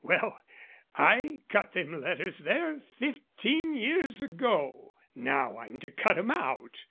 Well, I cut them letters there fifteen years ago. Now I'm to cut 'em out.